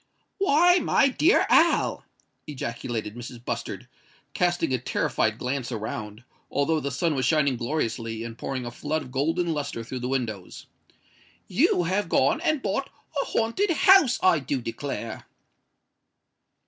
"Why, my dear Al!" ejaculated Mrs. Bustard, casting a terrified glance around, although the sun was shining gloriously and pouring a flood of golden lustre through the windows,—"you have gone and bought a haunted house, I do declare!"